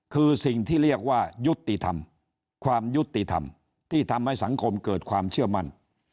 คือสิ่งที่เรียกว่ายุติธรรมความยุติธรรมที่ทำให้สังคมเกิดความเชื่อมั่น